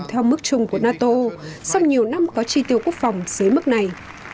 theo mức chung của nato sau nhiều năm có tri tiêu quốc phòng dưới mức này